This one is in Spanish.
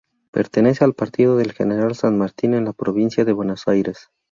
Pertenece al partido de General San Martín en la provincia de Buenos Aires.